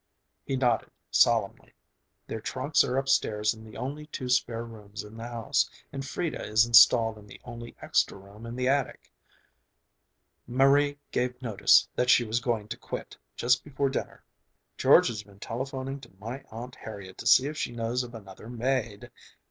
_" He nodded solemnly. "Their trunks are upstairs in the only two spare rooms in the house, and Frieda is installed in the only extra room in the attic. Marie gave notice that she was going to quit, just before dinner. George has been telephoning to my Aunt Harriet to see if she knows of another maid...."